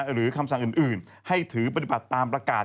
หรือคำสั่งอื่นให้ถือปฏิบัติตามประกาศ